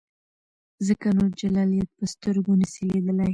ځکه نو جلالیت په سترګو نسې لیدلای.